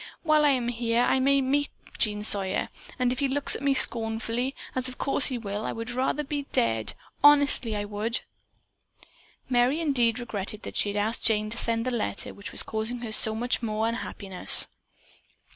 While I am here, I may meet Jean Sawyer, and if he looks at me scornfully, as of course he will, I would rather be dead, honestly I would!" Merry indeed regretted that she had asked Jane to send the letter which was causing her so much unhappiness.